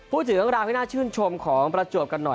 พูดถึงเรื่องราวที่น่าชื่นชมของประจวบกันหน่อย